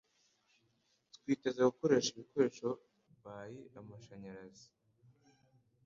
twize gukoresha ibikoresho by amashanyarazi